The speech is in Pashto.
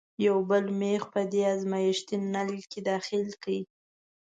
یو بل میخ په دې ازمیښتي نل کې داخل کړئ.